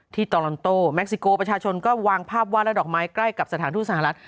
ตอลลอนโตเม็กซิโกประชาชนก็วางภาพวาดและดอกไม้ใกล้กับสถานทูตสหรัฐ